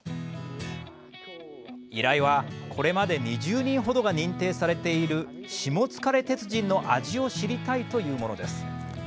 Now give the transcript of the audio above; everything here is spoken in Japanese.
依頼はこれまで２０人ほどが認定されているしもつかれ鉄人の味を知りたいというものです。